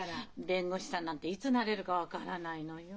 弁護士さんなんていつなれるか分からないのよ。